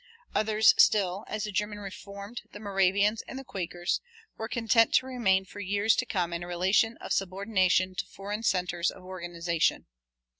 Others still, as the German Reformed, the Moravians, and the Quakers, were content to remain for years to come in a relation of subordination to foreign centers of organization.